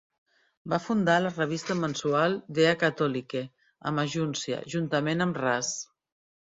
Va fundar la revista mensual "Der Katholike" a Magúncia, juntament amb Rass.